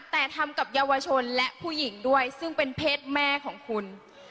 แต่ทำกับเยาวชนและผู้หญิงด้วยซึ่งเป็นเพศแม่ของคุณ